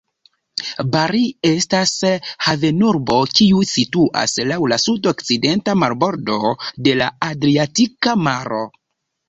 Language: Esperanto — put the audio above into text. Bari estas havenurbo, kiu situas laŭ la sudokcidenta marbordo de la Adriatika Maro.